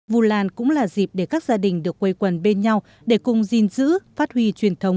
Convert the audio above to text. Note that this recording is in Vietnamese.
vu lan cũng là dịp để các gia đình được quây quần bên nhau để cùng gìn giữ phát huy truyền thống